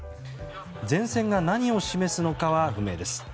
前線が何を示すのかは不明です。